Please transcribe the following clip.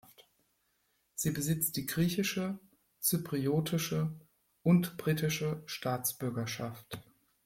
Sie besitzt die griechische, zypriotische und britische Staatsbürgerschaft.